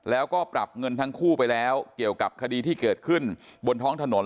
แล้วก็ปรับเงินทั้งคู่ไปแล้วเกี่ยวกับคดีที่เกิดขึ้นบนท้องถนน